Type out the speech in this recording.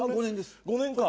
５年です。